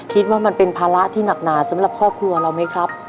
คิดว่ามันเป็นภาระที่หนักหนาสำหรับครอบครัวเราไหมครับ